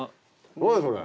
何それ？